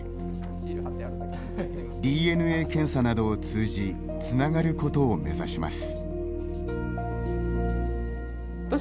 ＤＮＡ検査などを通じつながることを目指します。